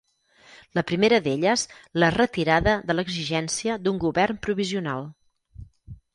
La primera d'elles la retirada de l'exigència d'un Govern Provisional.